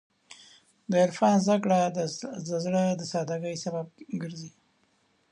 د عرفان زدهکړه د زړه د سادګۍ سبب ګرځي.